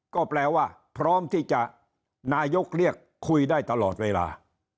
ก็แปลว่าพร้อมที่จะนายกเรียกคุยได้ตลอดเวลา